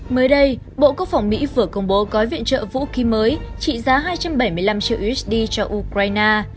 mới đây bộ quốc phòng mỹ vừa công bố gói viện trợ vũ khí mới trị giá hai trăm bảy mươi năm triệu usd cho ukraine